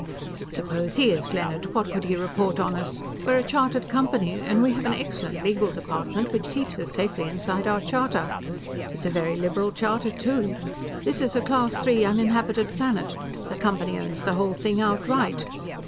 "Suppose he is, Leonard. What could he report on us? We are a chartered company, and we have an excellent legal department, which keeps us safely inside our charter. It is a very liberal charter, too. This is a Class III uninhabited planet; the Company owns the whole thing outright.